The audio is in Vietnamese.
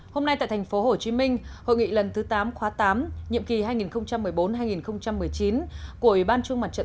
hôm nay tại tp hcm hội nghị lần thứ tám khóa tám nhiệm kỳ hai nghìn một mươi bốn hai nghìn một mươi chín của ủy ban trung mặt trận